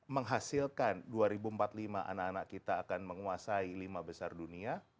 menghasilkan dua ribu empat puluh lima anak anak kita akan menguasai lima besar dunia